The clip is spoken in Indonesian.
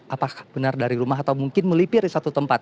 apakah benar dari rumah atau mungkin melipir di satu tempat